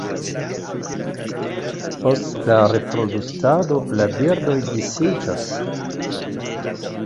Post la reproduktado la birdoj disiĝas.